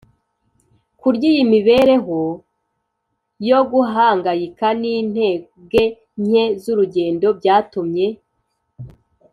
kurya. iyi mibereho yo guhangayika n'intege nke z'urugendo byatumye